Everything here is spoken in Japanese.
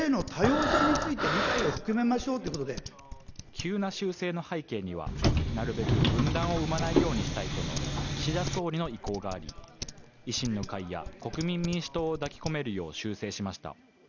急な修正の背景には、なるべく分断を生まないようにしたいとの岸田総理の意向があり、維新の会や国民民主党を抱き込めるよう修正しました。